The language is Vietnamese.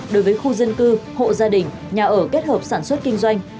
đối với khu dân cư hộ gia đình nhà ở kết hợp sản xuất kinh doanh